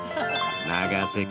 永瀬君